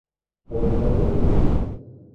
Он обернулся.